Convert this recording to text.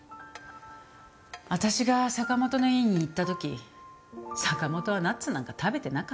私が坂本の家に行った時坂本はナッツなんか食べてなかった。